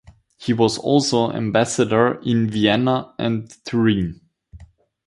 He was also ambassador in Vienna and Turin.